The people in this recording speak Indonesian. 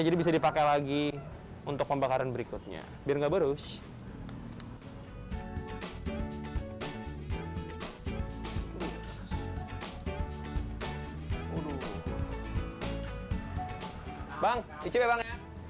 jadi bisa dipakai lagi untuk pembakaran berikutnya biar nggak boros bang itu memang